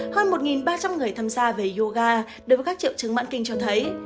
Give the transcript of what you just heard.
theo một nghiên cứu hơn một ba trăm linh người tham gia về yoga đối với các triệu chứng mãn kinh cho thấy